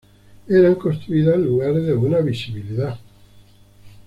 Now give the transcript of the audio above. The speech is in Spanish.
Eran construidas en lugares de buena visibilidad.